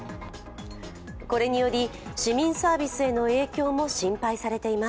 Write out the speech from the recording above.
これにより市民サービスへの影響も心配されています。